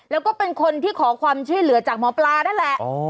แล้วก็เป็นคนที่ขอความช่วยเหลือจากหมอปลานั่นแหละ